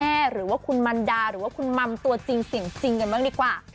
หรือว่าคุณมันดาหรือว่าคุณมัมตัวจริงเสียงจริงกันบ้างดีกว่า